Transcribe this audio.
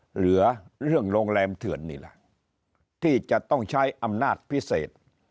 เหลือเรื่องโรงแรมเถื่อนนี่แหละที่จะต้องใช้อำนาจพิเศษ